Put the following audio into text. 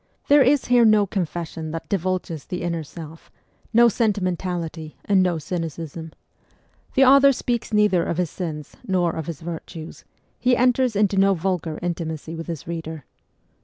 There is here no confes sion that divulges the inner self, no sentimentality, and no cynicism. The author speaks neither of his sins nor of his virtues ; he enters into no vulgar intimacy with his reader.